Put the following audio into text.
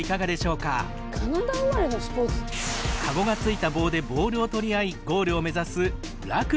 かごがついた棒でボールを取り合いゴールを目指すラクロス。